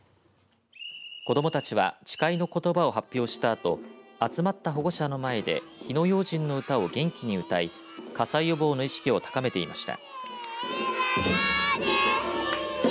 子どもたちは誓いの言葉を発表したあと集まった保護者の前で火の用心の歌を元気に歌い火災予防の意識を高めていました。